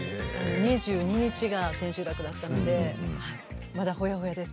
２２日が千秋楽だったのでまだほやほやです。